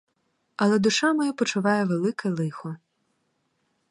Але душа моя почуває велике лихо.